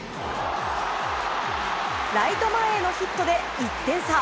ライト前へのヒットで１点差。